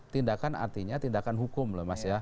tindakan artinya tindakan hukum loh mas ya